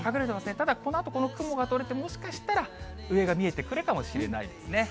ただ、このあとこの雲が取れて、もしかしたら上が見えてくるかもしれないですね。